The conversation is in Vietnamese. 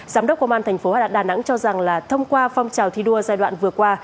giám đốc công an thành phố đà nẵng cho rằng là thông qua phong trào thi đua giai đoạn vừa qua